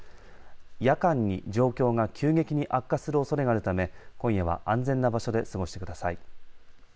夜間に状況が急激に悪化するおそれがあるため今夜は安全な場所で過ごしてください。